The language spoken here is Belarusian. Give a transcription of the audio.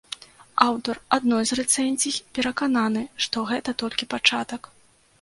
Аўтар адной з рэцэнзій перакананы, што гэта толькі пачатак.